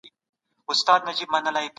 هنر د انسان روح ته ارامتيا ورکوي.